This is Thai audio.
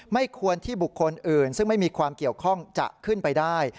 ไม่ควรที่บุคคลอื่นซึ่งไม่มีความเกี่ยวข้องจะขึ้นไปได้